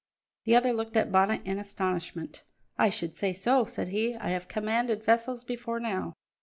The other looked at Bonnet in astonishment. "I should say so," said he. "I have commanded vessels before now."